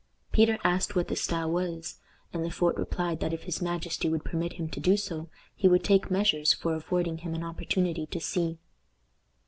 Peter asked what this style was, and Le Fort replied that if his majesty would permit him to do so, he would take measures for affording him an opportunity to see.